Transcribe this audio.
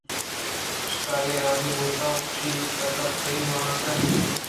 شکاری راضی بُوت ءُ گوٛشتے اگاں تئی واہگ اِنت